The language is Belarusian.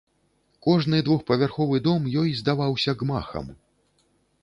Кожны двухпавярховы дом ёй здаваўся гмахам.